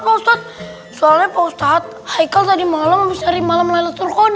kawasan soalnya posat haikal tadi malam besari malam laylat turkoda